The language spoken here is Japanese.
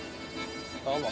どうも。